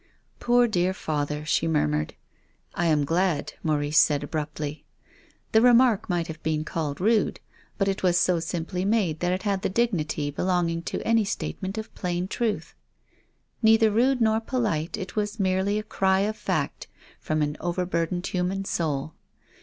" Poor, dear father," she murmured. " I am glad," Maurice said abruptly. The remark might have been called rude, but it was so simply made that it had the dignity belonging to any statement of plain truth. Neither rude nor polite, it was merely a cry of fact from an overburdened human soul.